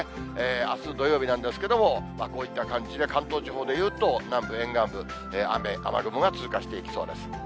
あす土曜日なんですけれども、こういった感じで関東地方でいうと、南部沿岸部、雨、雨雲が通過していきそうです。